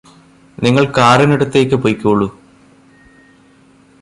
നിങ്ങള് കാറിനടുത്തേയ്ക് പൊയ്കോളൂ